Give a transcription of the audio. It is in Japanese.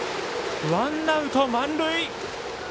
ワンアウト満塁。